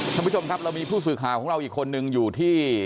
ท่านผู้ชมครับเรามีผู้สื่อข่าวของเราอีกคนนึงอยู่ที่